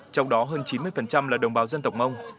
trong đó hơn chín mươi là đồng bào dân tộc mông